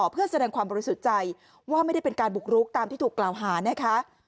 เพื่อแสดงความบริสุทธิ์ใจว่าไม่ได้เป็นการบุกรุกตามที่ถูกกล่าวหานะคะ